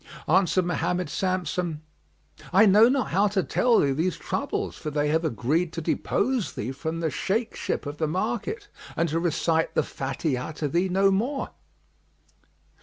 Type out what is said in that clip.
Answered Mohammed Samsam, "I know not how to tell thee these troubles, for they have agreed to depose thee from the Shaykh ship of the market and to recite the Fatihah to thee no more."